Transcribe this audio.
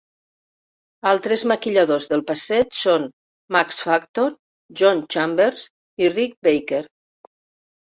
Altres maquilladors del passeig són Max Factor, John Chambers i Rick Baker.